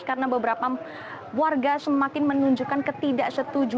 karena beberapa warga semakin menunjukkan ketidaksetujuan